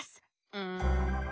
うん。